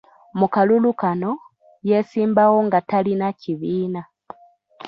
Mu kalulu kano, yesimbawo nga talina kibiina